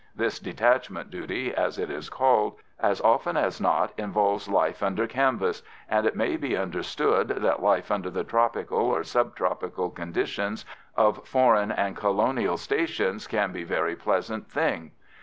This detachment duty, as it is called, as often as not involves life under canvas, and it may be understood that life under the tropical or sub tropical conditions of foreign and colonial stations can be a very pleasant thing.